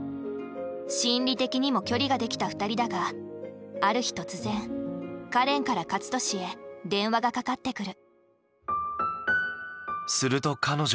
心理的にも距離が出来た２人だがある日突然かれんから勝利へ電話がかかってくる。